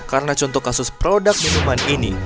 karena contoh kasus produk minuman ini